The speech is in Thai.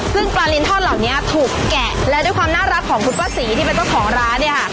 ซึ่งปลาลินทอดเหล่านี้ถูกแกะและด้วยความน่ารักของคุณป้าศรีที่เป็นเจ้าของร้านเนี่ยค่ะ